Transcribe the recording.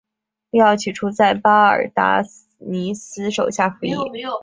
利奥起初在巴尔达尼斯手下服役。